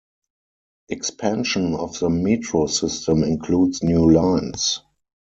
Expansion of the metro system includes new lines.